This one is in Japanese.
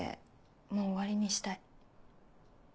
もう終わりにしたい。